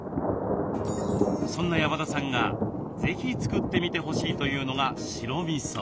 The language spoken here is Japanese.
そんな山田さんが是非作ってみてほしいというのが白みそ。